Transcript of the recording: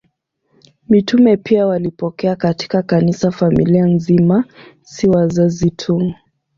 Mitume pia walipokea katika Kanisa familia nzima, si wazazi tu.